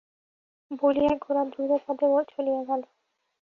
বলিয়া গোরা দ্রুতপদে চলিয়া গেল।